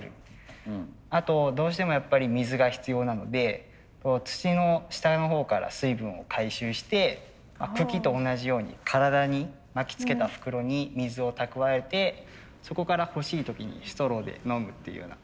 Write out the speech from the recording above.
あとどうしてもやっぱり水が必要なので土の下のほうから水分を回収して茎と同じように体に巻きつけた袋に水を蓄えてそこから欲しい時にストローで飲むっていうような。